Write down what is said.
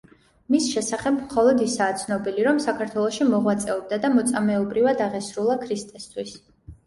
მის შესახებ მხოლოდ ისაა ცნობილი, რომ საქართველოში მოღვაწეობდა და მოწამეობრივად აღესრულა ქრისტესთვის.